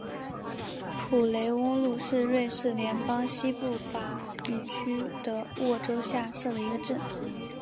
普雷翁路是瑞士联邦西部法语区的沃州下设的一个镇。